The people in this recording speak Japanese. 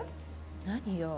何よ？